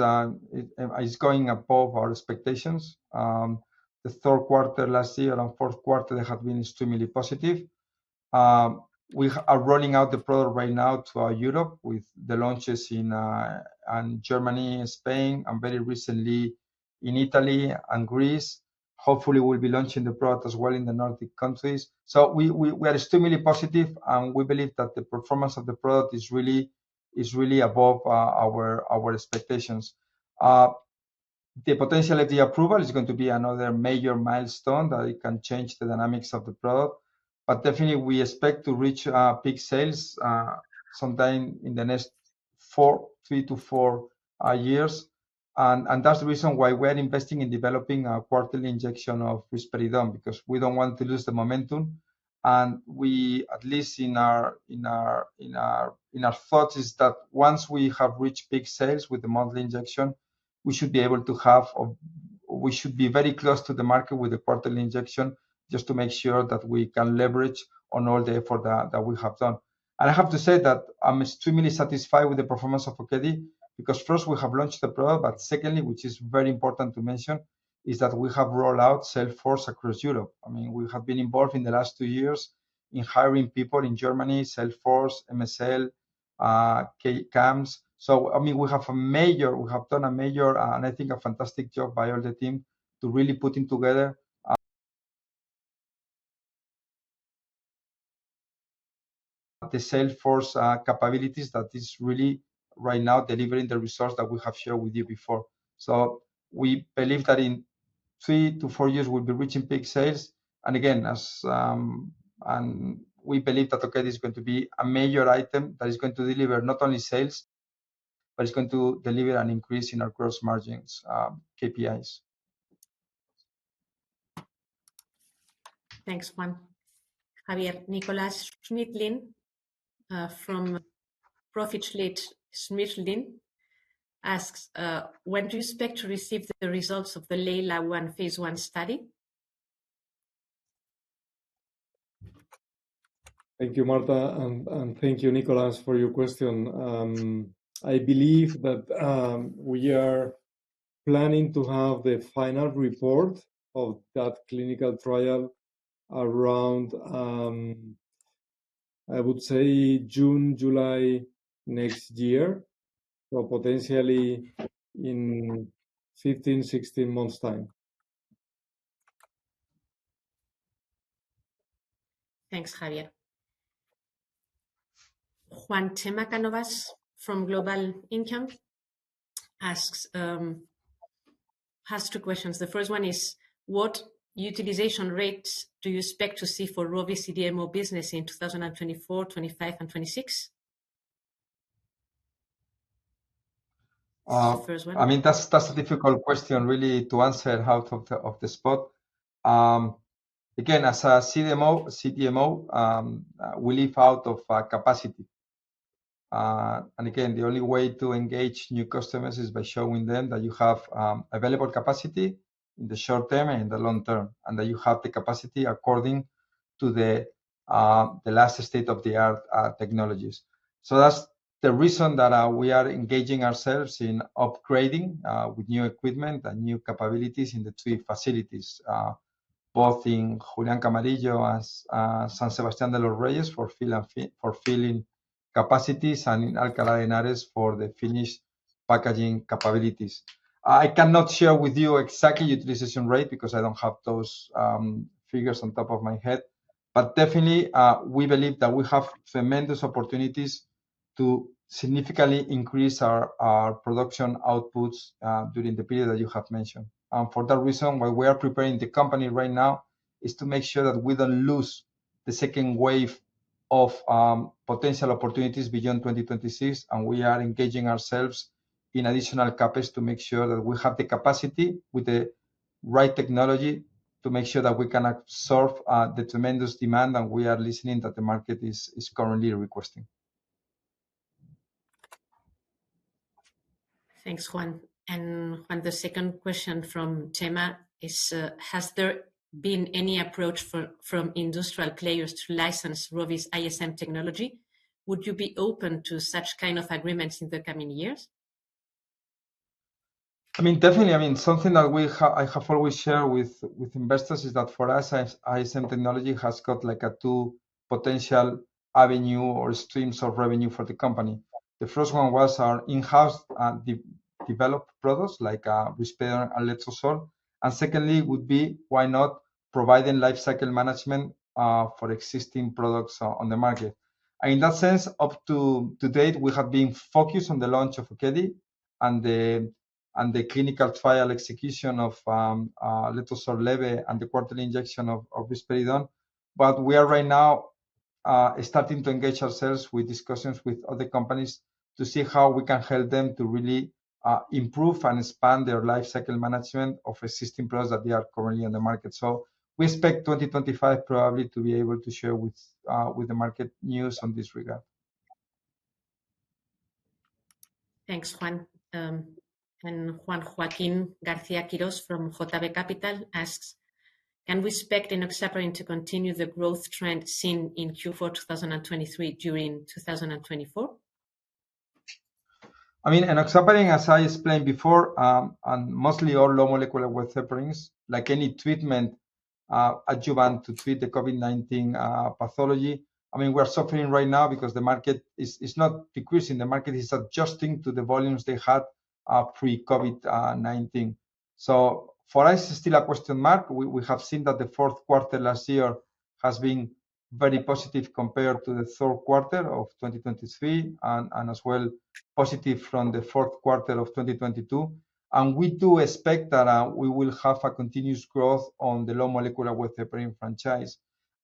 going above our expectations. The third quarter last year and fourth quarter have been extremely positive. We are rolling out the product right now to Europe, with the launches in Germany and Spain, and very recently in Italy and Greece. Hopefully, we'll be launching the product as well in the Nordic countries. So we are extremely positive, and we believe that the performance of the product is really above our expectations. The potential FDA approval is going to be another major milestone, that it can change the dynamics of the product. But definitely, we expect to reach peak sales sometime in the next three to four years. And that's the reason why we are investing in developing a quarterly injection of risperidone, because we don't want to lose the momentum. And we, at least in our thoughts, is that once we have reached peak sales with the monthly injection, we should be able to have a, we should be very close to the market with the quarterly injection, just to make sure that we can leverage on all the effort that we have done. And I have to say that I'm extremely satisfied with the performance of Okedi, because first we have launched the product, but secondly, which is very important to mention, is that we have rolled out sales force across Europe. I mean, we have been involved in the last two years in hiring people in Germany, sales force, MSL, key accounts. So, I mean, we have a major, we have done a major, and I think a fantastic job by all the team to really putting together the salesforce capabilities that is really right now delivering the results that we have shared with you before. So we believe that in three to four years, we'll be reaching peak sales. And again, as, and we believe that Okedi is going to be a major item that is going to deliver not only sales, but it's going to deliver an increase in our gross margins, KPIs. Thanks, Juan. Javier. Nicholas Schmidlin from ProfitlichSchmidlin asks, when do you expect to receive the results of the LEILA-1 phase I study? Thank you, Marta, and, and thank you, Nicholas, for your question. I believe that we are planning to have the final report of that clinical trial around, I would say June, July next year. So potentially in 15, 16 months' time. Thanks, Javier. Juan, Chema Canovas from GVC Gaesco asks, has two questions. The first one is, what utilization rates do you expect to see for Rovi's CDMO business in 2024, 2025 and 2026? That's the first one. I mean, that's a difficult question really to answer out of the spot. Again, as a CDMO, we live out of capacity. And again, the only way to engage new customers is by showing them that you have available capacity in the short term and in the long term, and that you have the capacity according to the last state-of-the-art technologies. So that's the reason that we are engaging ourselves in upgrading with new equipment and new capabilities in the three facilities, both in Julian Camarillo as San Sebastián de los Reyes for filling capacities and in Alcalá de Henares for the finished packaging capabilities. I cannot share with you exactly utilization rate, because I don't have those figures on top of my head. But definitely, we believe that we have tremendous opportunities to significantly increase our, our production outputs during the period that you have mentioned. And for that reason, why we are preparing the company right now, is to make sure that we don't lose the second wave of potential opportunities beyond 2026, and we are engaging ourselves in additional capacities to make sure that we have the capacity with the right technology to make sure that we can absorb the tremendous demand that we are listening that the market is, is currently requesting. Thanks, Juan. And Juan, the second question from Chema is, has there been any approach from industrial players to license Rovi's ISM technology? Would you be open to such kind of agreements in the coming years? I mean, definitely. I mean, something that we have, I have always shared with investors is that for us, ISM technology has got like two potential avenues or streams of revenue for the company. The first one was our in-house developed products, like risperidone and Letrozole. And secondly, would be, why not providing lifecycle management for existing products on the market? In that sense, to date, we have been focused on the launch of Okedi and the clinical trial execution of Letrozole LEBE and the quarterly injection of risperidone. But we are right now starting to engage ourselves with discussions with other companies to see how we can help them to really improve and expand their lifecycle management of existing products that they are currently on the market. We expect 2025, probably, to be able to share with the market news on this regard. Thanks, Juan. And Joaquín García Quiroz from JB Capital asks, can we expect enoxaparin to continue the growth trend seen in Q4 2023 during 2024? I mean, enoxaparin, as I explained before, and mostly all low-molecular-weight heparins, like any treatment, adjuvant to treat the COVID-19 pathology, I mean, we're suffering right now because the market is, is not decreasing. The market is adjusting to the volumes they had, pre-COVID-19. So for us, it's still a question mark. We, we have seen that the fourth quarter last year has been very positive compared to the third quarter of 2023 and, and as well, positive from the fourth quarter of 2022. And we do expect that, we will have a continuous growth on the low-molecular-weight heparin franchise.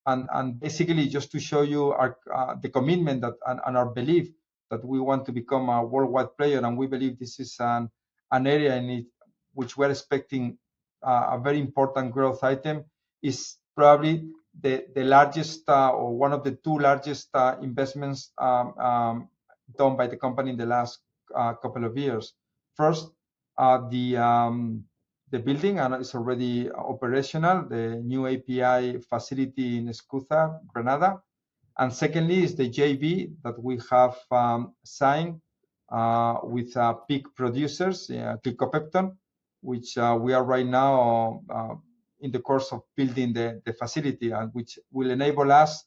And, and basically, just to show you our, the commitment that our belief that we want to become a worldwide player, and we believe this is an area in need, which we're expecting a very important growth item, is probably the largest or one of the two largest investments done by the company in the last couple of years. First, the building, and it's already operational, the new API facility in Escúzar, Granada. And secondly, is the JV that we have signed with pig producers, Glicopepton, which we are right now in the course of building the facility and which will enable us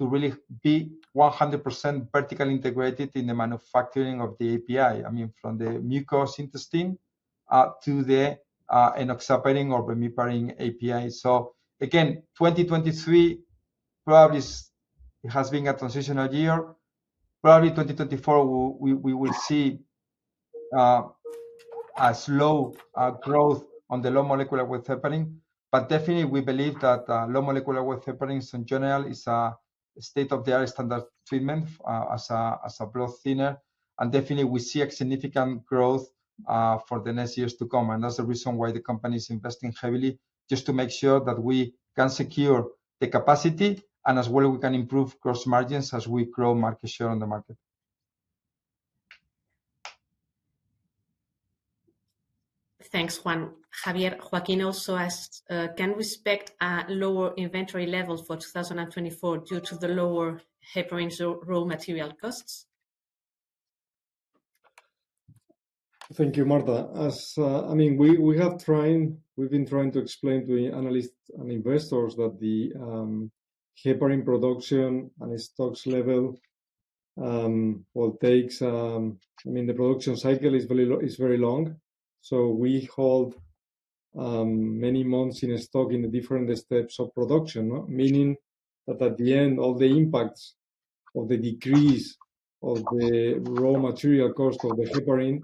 to really be 100% vertically integrated in the manufacturing of the API. I mean, from the mucosa intestine to the enoxaparin or bemiparin API. So again, 2023 probably has been a transitional year. Probably 2024, we will see a slow growth on the low-molecular-weight heparin. But definitely, we believe that low-molecular-weight heparins in general is state-of-the-art standard treatment as a blood thinner. And definitely, we see a significant growth for the next years to come, and that's the reason why the company is investing heavily, just to make sure that we can secure the capacity, and as well, we can improve gross margins as we grow market share on the market. Thanks, Juan. Javier, Joaquin also asks, can we expect lower inventory levels for 2024 due to the lower heparin's raw material costs? Thank you, Marta. As I mean, we've been trying to explain to the analysts and investors that the heparin production and its stocks level will take, I mean, the production cycle is very long. So we hold many months in stock in the different steps of production. Meaning that at the end, all the impacts of the decrease of the raw material cost of the heparin,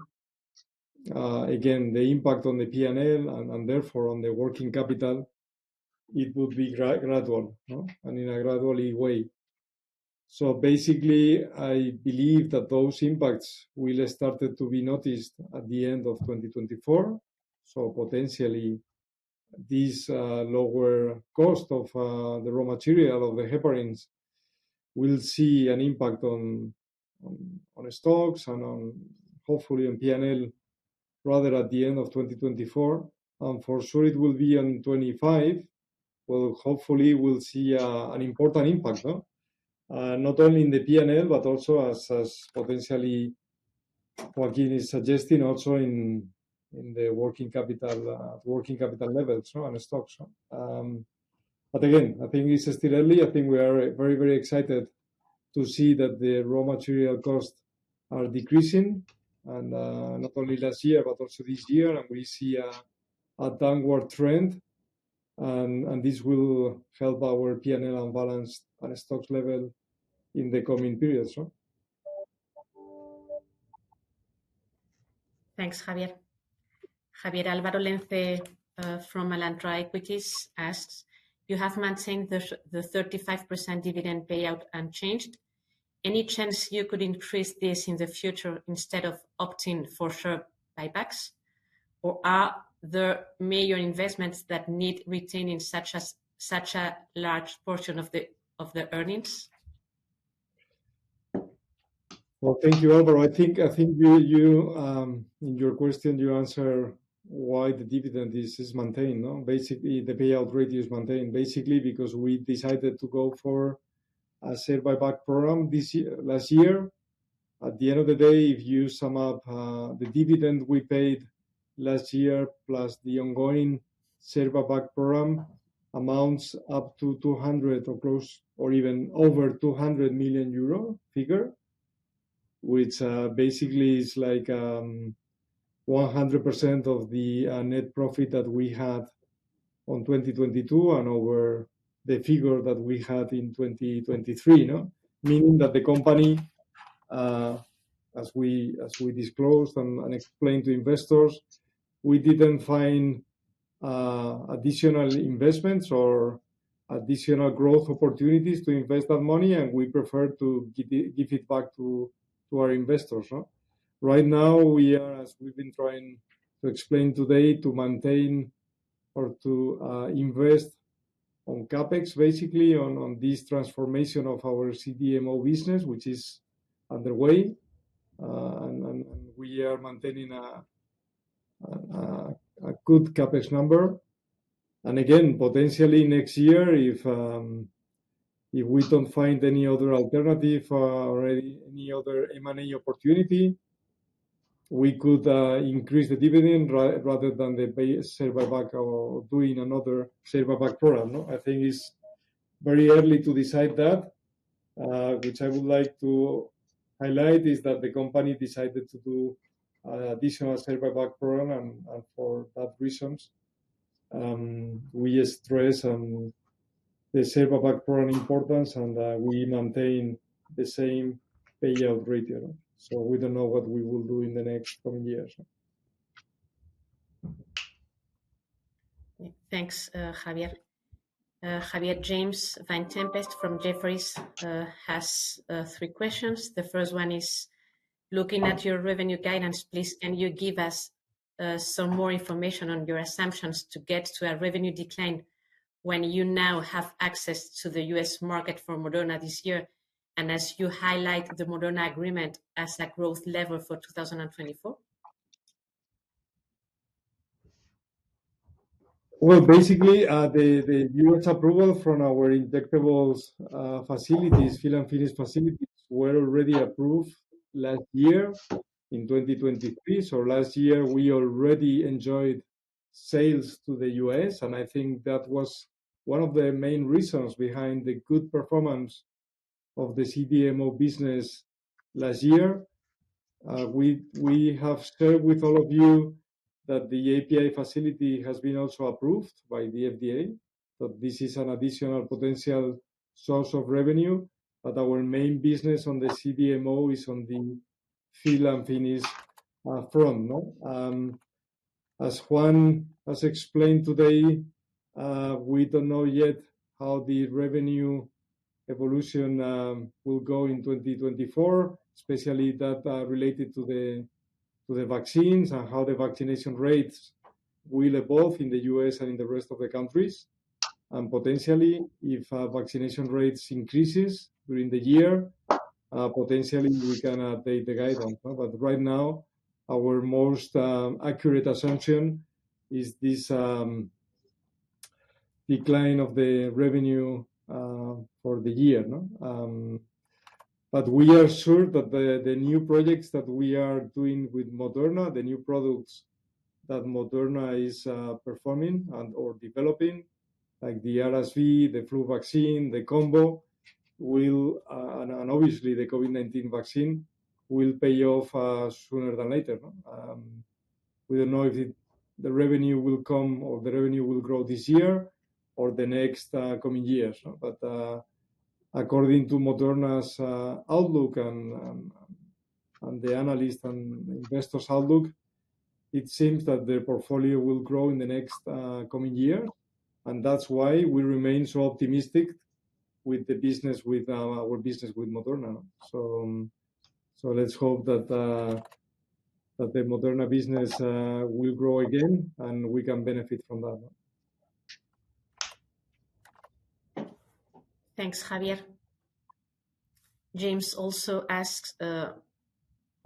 again, the impact on the P&L and therefore on the working capital, it would be gradual, no? And in a gradually way. So basically, I believe that those impacts will started to be noticed at the end of 2024. So potentially, these lower cost of the raw material of the heparins will see an impact on stocks and on, hopefully, on P&L, rather at the end of 2024. And for sure, it will be in 2025, where hopefully we'll see an important impact, not only in the P&L, but also as potentially Joaquin is suggesting, also in the working capital, working capital levels, so on the stocks. But again, I think it's still early. I think we are very, very excited to see that the raw material costs are decreasing, and not only last year, but also this year. And we see a downward trend, and this will help our P&L and balance on a stocks level in the coming periods, so. Thanks, Javier. Javier, Álvaro Lenze from Alantra Equities asks, you have maintained the the 35% dividend payout unchanged. Any chance you could increase this in the future instead of opting for share buybacks? Or are there major investments that need retaining such as such a large portion of the earnings? Well, thank you, Álvaro. I think you in your question answer why the dividend is maintained, no? Basically, the payout rate is maintained, basically, because we decided to go for a share buyback program this year, last year. At the end of the day, if you sum up the dividend we paid last year, plus the ongoing share buyback program, amounts up to 200 million or close or even over 200 million euro figure, which basically is like 100% of the net profit that we had in 2022 and over the figure that we had in 2023, no? Meaning that the company, as we disclosed and explained to investors, we didn't find additional investments or additional growth opportunities to invest that money, and we prefer to give it back to our investors, huh? Right now, we are, as we've been trying to explain today, to maintain or to invest on CapEx, basically, on this transformation of our CDMO business, which is underway. And we are maintaining a good CapEx number. And again, potentially next year, if we don't find any other alternative or any other M&A opportunity, we could increase the dividend rather than the pay share buyback or doing another share buyback program, no? I think it's very early to decide that. Which I would like to highlight is that the company decided to do additional share buyback program and for that reasons we stress on the share buyback program importance, and we maintain the same payout rate, you know. So we don't know what we will do in the next coming years. Thanks, Javier. Javier, James Vane-Tempest from Jefferies, has three questions. The first one is, looking at your revenue guidance, please, can you give us, some more information on your assumptions to get to a revenue decline when you now have access to the U.S. market for Moderna this year, and as you highlight the Moderna agreement as a growth lever for 2024? Well, basically, the U.S. approval from our injectables facilities, fill and finish facilities, were already approved last year in 2023. So last year, we already enjoyed sales to the U.S., and I think that was one of the main reasons behind the good performance of the CDMO business last year. We have shared with all of you that the API facility has been also approved by the FDA, that this is an additional potential source of revenue. But our main business on the CDMO is on the fill and finish front, no? As Juan has explained today, we don't know yet how the revenue evolution will go in 2024, especially that related to the vaccines and how the vaccination rates will evolve in the U.S. and in the rest of the countries. And potentially, if vaccination rates increases during the year, potentially we can update the guidance. But right now, our most accurate assumption is this decline of the revenue for the year, no? But we are sure that the new projects that we are doing with Moderna, the new products that Moderna is performing and/or developing, like the RSV, the flu vaccine, the combo, will, and obviously the COVID-19 vaccine, will pay off sooner than later, no? We don't know if the revenue will come or the revenue will grow this year or the next coming years, no. But, according to Moderna's outlook and the analyst and investors' outlook, it seems that their portfolio will grow in the next coming year, and that's why we remain so optimistic with the business with our business with Moderna. So, so let's hope that the Moderna business will grow again, and we can benefit from that, no. Thanks, Javier. James also asks,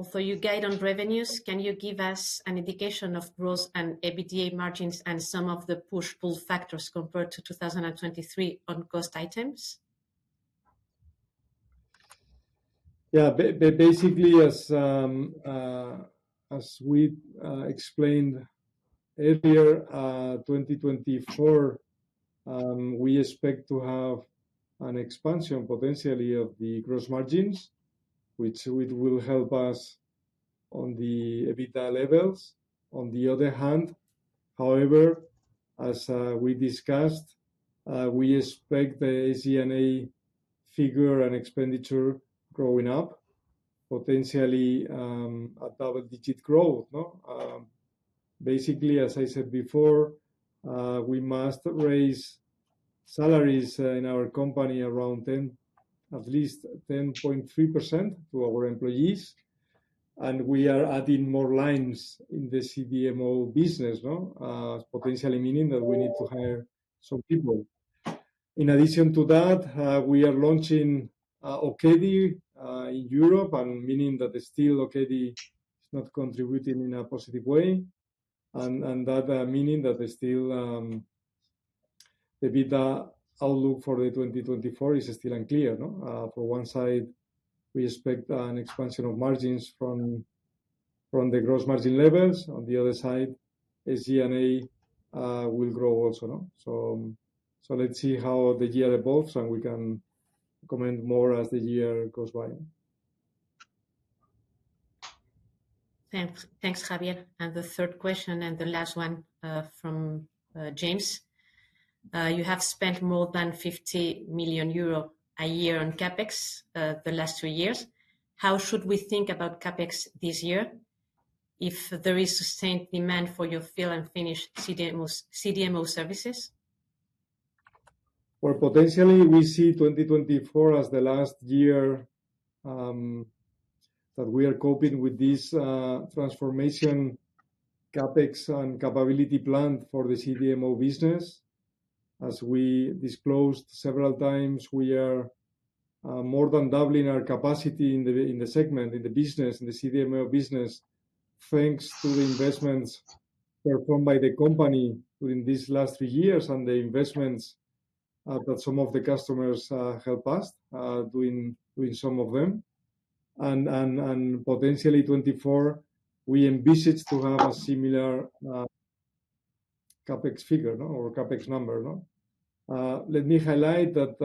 for your guide on revenues, can you give us an indication of growth and EBITDA margins and some of the push-pull factors compared to 2023 on cost items? Yeah. Basically, as we explained earlier, 2024, we expect to have an expansion potentially of the gross margins, which it will help us on the EBITDA levels. On the other hand, however, as we discussed, we expect the SG&A figure and expenditure growing up, potentially a double-digit growth, no? Basically, as I said before, we must raise salaries in our company around ten, at least 10.3% to our employees, and we are adding more lines in the CDMO business, no? Potentially meaning that we need to hire some people. In addition to that, we are launching Okedi in Europe, and meaning that still Okedi is not contributing in a positive way, and that meaning that the still the EBITDA outlook for the 2024 is still unclear, no. For one side, we expect an expansion of margins from the gross margin levels. On the other side, SG&A will grow also, no? So let's see how the year evolves, and we can comment more as the year goes by. Thanks. Thanks, Javier. The third question and the last one, from James, you have spent more than 50 million euro a year on CapEx, the last two years. How should we think about CapEx this year if there is sustained demand for your fill and finish CDMO services? Well, potentially, we see 2024 as the last year that we are coping with this transformation CapEx and capability plan for the CDMO business. As we disclosed several times, we are more than doubling our capacity in the segment, in the business, in the CDMO business, thanks to the investments performed by the company within these last three years and the investments that some of the customers help us doing some of them. And potentially 2024, we envisage to have a similar CapEx figure, no, or CapEx number, no? Let me highlight that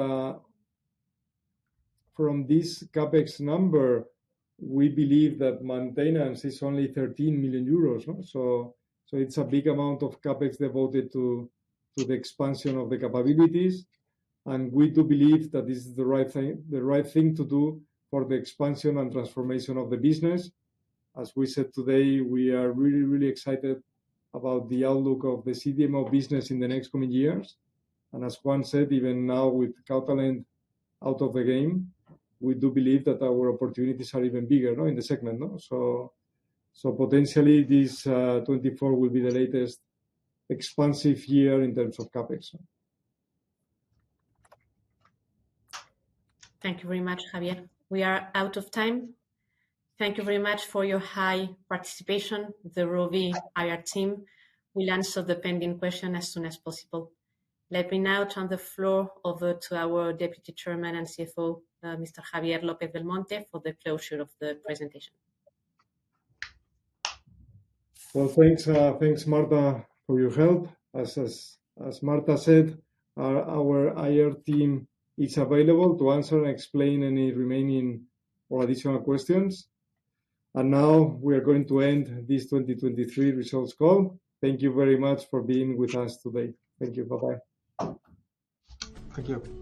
from this CapEx number, we believe that maintenance is only 13 million euros, no? So, it's a big amount of CapEx devoted to the expansion of the capabilities, and we do believe that this is the right thing, the right thing to do for the expansion and transformation of the business. As we said today, we are really, really excited about the outlook of the CDMO business in the next coming years. And as Juan said, even now, with Catalent out of the game, we do believe that our opportunities are even bigger, no, in the segment, no? So, potentially this 2024 will be the latest expansive year in terms of CapEx. Thank you very much, Javier. We are out of time. Thank you very much for your high participation. The Rovi IR team will answer the pending question as soon as possible. Let me now turn the floor over to our Deputy Chairman and CFO, Mr. Javier López-Belmonte, for the closure of the presentation. Well, thanks, Marta, for your help. As Marta said, our IR team is available to answer and explain any remaining or additional questions. And now we are going to end this 2023 results call. Thank you very much for being with us today. Thank you. Bye-bye. Thank you.